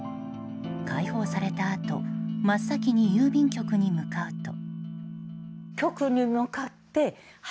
解放されたあと真っ先に郵便局に向かうと。